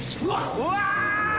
うわ！